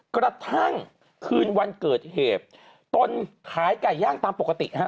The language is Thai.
กระทั่งคืนวันเกิดเหตุตนขายไก่ย่างตามปกติฮะ